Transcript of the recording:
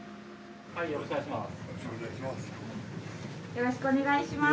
よろしくお願いします。